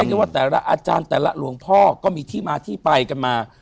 เรียกว่าแต่ละอาจารย์แต่ละหลวงพ่อก็มีที่มาที่ไปกันมา